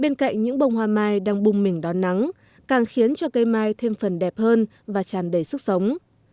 bên cạnh những bông hoa mai đang bung mình đón nắng càng khiến cho cây mai thêm phần đẹp hơn và tràn đầy sức sống